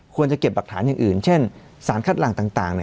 เก็บหลักฐานอย่างอื่นเช่นสารคัดหลังต่าง